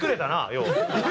よう。